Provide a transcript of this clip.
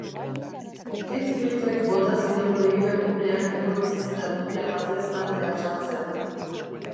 Heathcliffek bota zidan begirakuneak eragotzi zidan une batez tartean sartzea.